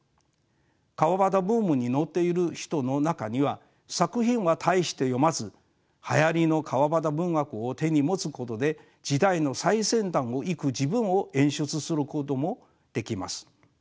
川端ブームに乗っている人の中には作品は大して読まずはやりの川端文学を手に持つことで時代の最先端をいく自分を演出することもできます。